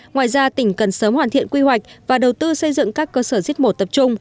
ngoài ra tỉnh cần sớm hoàn thiện quy hoạch và đầu tư xây dựng các cơ sở giết mổ tập trung